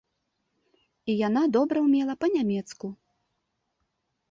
І яна добра ўмела па-нямецку.